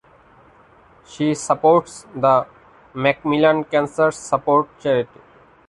She supports the Macmillan Cancer Support charity.